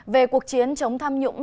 về cuộc chiến chống tham nhũng